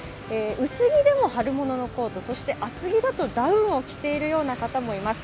薄着でも春物のコートそして厚着だとダウンを着ている人もいます。